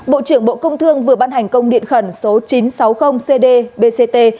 bộ trưởng bộ công thương vừa bán hành công điện khẩn số chín trăm sáu mươi cd bct